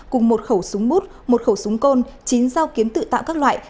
cùng một khẩu súng bút một khẩu súng côn chín dao kiếm tự tạo các loại